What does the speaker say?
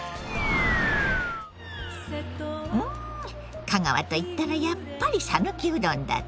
うん香川といったらやっぱり讃岐うどんだって？